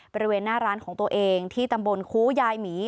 บริเวณหน้าร้านของตัวเองที่ตำบลคู้ยายหมี